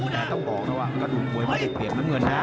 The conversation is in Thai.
แต่ต้องบอกนะว่ากระดูกมวยไม่ได้เปรียบน้ำเงินนะ